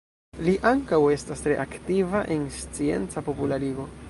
Li ankaŭ estas tre aktiva en scienca popularigo.